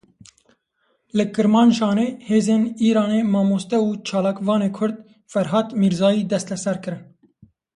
Li Kirmaşanê hêzên Îranê mamoste û çalakvanê Kurd Ferhad Mîrzayî desteser kirin.